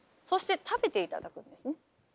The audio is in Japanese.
そして食べていただくんですね。